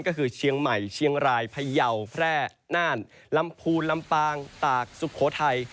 ก็คือเชียงใหม่เชียงรายพยาวแพร่น่านลำพูนลำปางตากสุโขทัย